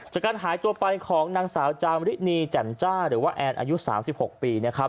จากการหายตัวไปของนางสาวจามรินีแจ่มจ้าหรือว่าแอนอายุ๓๖ปีนะครับ